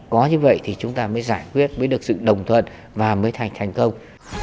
có như vậy thì chúng ta mới giải quyết mới được sự đồng thuận và mới thành thành công